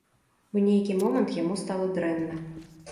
У нейкі момант яму стала дрэнна.